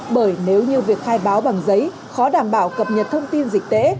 bởi nếu như việc khai báo bằng giấy khó đảm bảo cập nhật thông tin dịch tễ